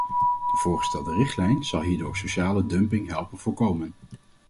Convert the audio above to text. De voorgestelde richtlijn zal hierdoor sociale dumping helpen voorkomen.